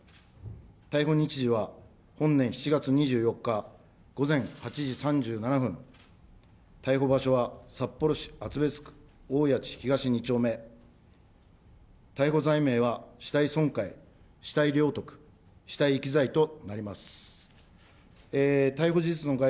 逮捕日時は本年７月２４日午前８時３７分、逮捕場所は札幌市厚別区おおやち東２丁目、逮捕罪名は死体損壊、死体領得、死体遺棄罪となります。